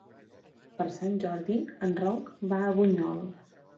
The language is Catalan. Per Sant Jordi en Roc va a Bunyol.